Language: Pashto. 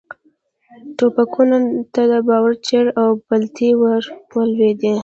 ټوپکونو ته باروت، چرې او پلتې ور ولوېدې.